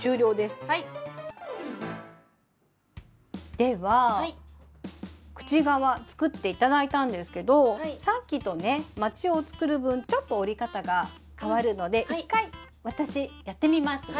では口側作って頂いたんですけどさっきとねまちを作る分ちょっと折り方がかわるので１回私やってみますね。